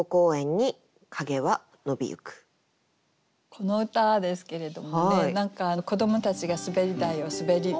この歌ですけれどもね何か子どもたちが滑り台をすべってる。